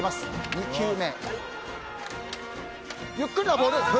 ２球目。